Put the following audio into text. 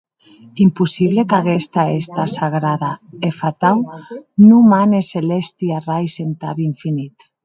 Impossible qu’aguesta hèsta sagrada e fatau non mane celèsti arrais entar infinit.